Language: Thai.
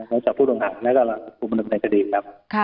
มาจับผู้หนังหาการและก็ปัญหาในทฤษฎีครับ